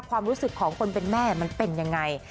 ความรู้สึกของคนเป็นแม่มันเป็นยังไง